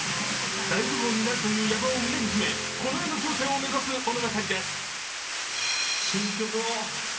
大富豪になるという野望を胸に秘め、この世の頂点を目指す物語です